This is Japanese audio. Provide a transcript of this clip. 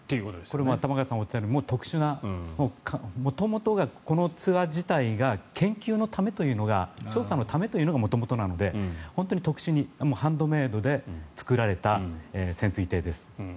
これは玉川さんがおっしゃるように、特殊な元々がこのツアー自体が研究のためというのが調査のためというのが元々なので、特殊にハンドメイドで造られた潜水艇です。